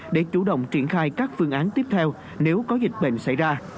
để chủ động triển khai các phương án tiếp theo nếu có dịch bệnh xảy ra